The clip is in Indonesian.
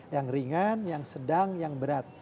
yang ringan yang sedang yang berat